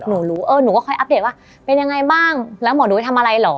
หนูรู้เออหนูก็ค่อยอัปเดตว่าเป็นยังไงบ้างแล้วหมอหนูไปทำอะไรเหรอ